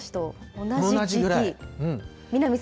同じぐらい。